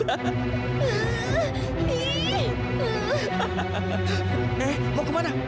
eh mau kemana